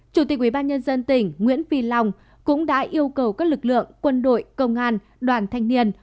chủ tịch ubnd tỉnh nguyễn phi long cũng đã yêu cầu các lực lượng quân đội công an đoàn thanh niên